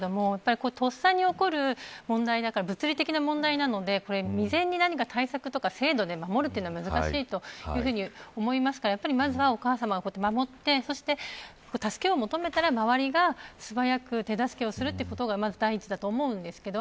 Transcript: とっさに起こる問題だから物理的な問題なので未然に対策とか制度で守るのは難しいと思いますからまずはお母さまを守ってそして助けを求めたら周りが素早く手助けをすることが大事だと思うんです。